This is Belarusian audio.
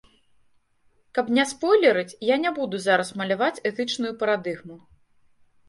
Каб не спойлерыць, я не буду зараз маляваць этычную парадыгму.